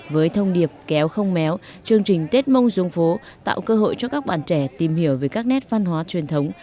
với thông điệp kéo không méo chương trình tết mông xuống phố tạo cơ hội cho các bạn trẻ tìm hiểu về các nét văn hóa truyền thống